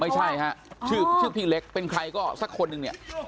ไม่ใช่ฮะชื่อพี่เล็กเป็นใครก็สักคนหนึ่งเนี่ย